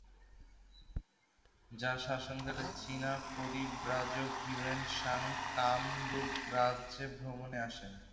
যাঁর শাসনকালে চীনা পরিব্রাজক হিউয়েন সাং কামরূপ রাজ্য ভ্রমণে আসেন।